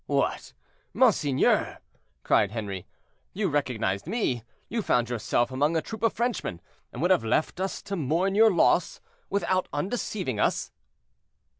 "What! monseigneur," cried Henri, "you recognized me—you found yourself among a troop of Frenchmen, and would have left us to mourn your loss, without undeceiving us?"